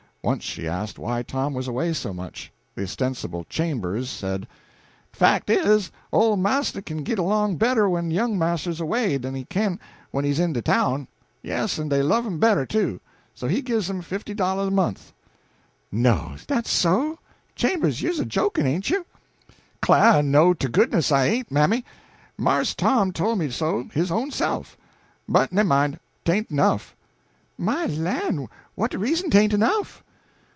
Once she asked why Tom was away so much. The ostensible "Chambers" said: "De fac' is, ole marster kin git along better when young marster's away den he kin when he's in de town; yes, en he love him better, too; so he gives him fifty dollahs a month " "No, is dat so? Chambers, you's a jokin', ain't you?" "'Clah to goodness I ain't, mammy; Marse Tom tole me so his own self. But nemmine, 'tain't enough." "My lan', what de reason 'tain't enough?"